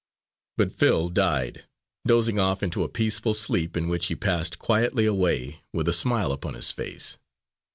But Phil died, dozing off into a peaceful sleep in which he passed quietly away with a smile upon his face.